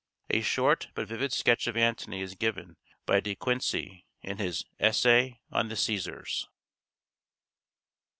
A short but vivid sketch of Antony is given by De Quincey in his "Essay on the Cæsars."